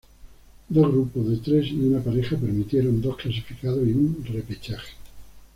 Dos grupos de tres y una pareja permitieron dos clasificados y un repechaje.